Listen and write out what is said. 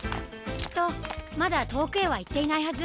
きっとまだとおくへはいっていないはず！